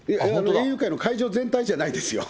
園遊会会場の全体じゃないですよ。